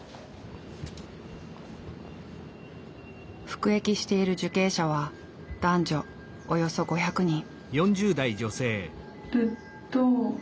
服役している受刑者は男女およそ５００人。